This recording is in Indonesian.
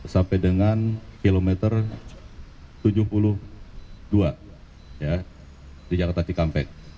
sampai dengan kilometer tujuh puluh dua di jakarta cikampek